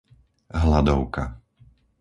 Hladovka